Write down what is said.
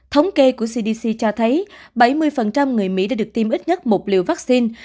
thống kê của cdc cho thấy bảy mươi người mỹ đã được tiêm ít nhất một liều vaccine